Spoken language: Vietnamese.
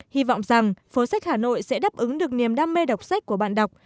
hy vọng rằng phố sách hà nội sẽ đáp ứng được niềm đam mê đọc sách của bạn đọc